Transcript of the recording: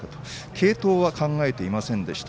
継投は考えていませんでした。